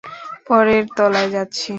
পরের তলায় যাচ্ছি।